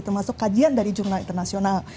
termasuk kajian dari jurnal internasional